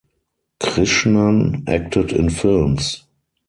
Krishnan acted in films.